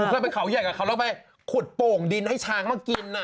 หนูจะไปเขาใหญ่กับเค้าให้ขุดโป่งดินให้ช้างมากิน